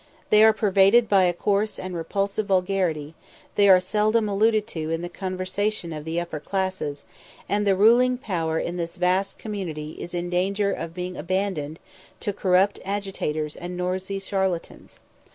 They are pervaded by a coarse and repulsive vulgarity; they are seldom alluded to in the conversation of the upper classes; and the ruling power in this vast community is in danger of being abandoned to corrupt agitators and noisy charlatans.